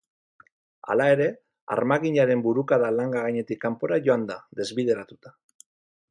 Hala ere, armaginaren burukada langa gainetik kanpora joan da, desbideratuta.